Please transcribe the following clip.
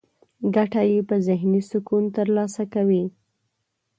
ګټه يې په ذهني سکون ترلاسه کوي.